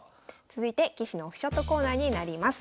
続いて棋士のオフショットコーナーになります。